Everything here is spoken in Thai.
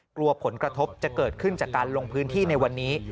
กลัวผลกระทบจะเกิดขึ้นจากการลงพื้นที่ในวันนี้